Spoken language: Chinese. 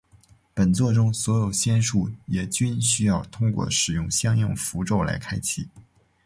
本作中所有仙术也均需要通过使用相应符咒来开启。